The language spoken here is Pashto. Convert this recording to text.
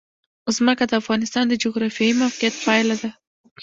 ځمکه د افغانستان د جغرافیایي موقیعت پایله ده.